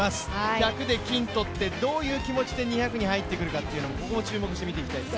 １００で金を取ってどういう気持ちで２００に入ってくるかというのも注目して見ていきたいですね。